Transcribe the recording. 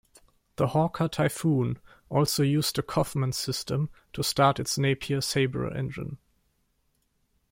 The Hawker Typhoon also used the Coffman system to start its Napier Sabre engine.